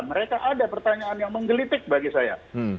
mereka ada pertanyaan yang menggelitik bagi saya